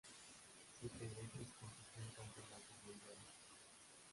Siete veces compitió en Campeonatos Mundiales.